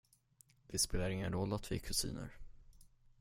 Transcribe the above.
Det spelar ingen roll att vi är kusiner.